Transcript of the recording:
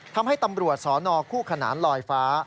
ทำให้ตำรวจสนคู่ขนานลอยฟ้า